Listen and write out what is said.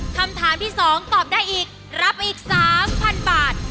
คำถามที่๒ตอบได้อีกรับไปอีก๓๐๐๐บาท